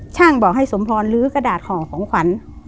บอกให้สมพรลื้อกระดาษห่อของขวัญ